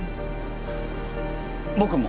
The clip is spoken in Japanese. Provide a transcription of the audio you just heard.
僕も。